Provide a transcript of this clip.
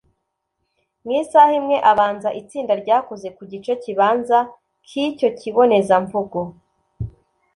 mu isaha imwe abanza itsinda ryakoze ku gice kibanza k’icyo kibonezamvugo